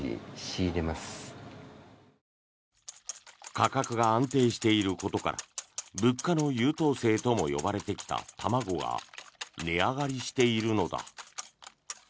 価格が安定していることから物価の優等生とも呼ばれてきた卵が値上がりしているのだ。